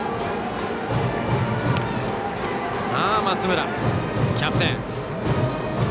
松村、キャプテン。